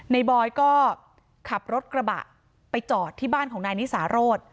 บอยก็ขับรถกระบะไปจอดที่บ้านของนายนิสาโรธ